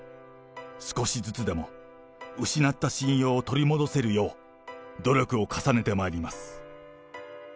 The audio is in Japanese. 少しずつでも、失った信用を取り戻せるよう、努力を重ねてまいります。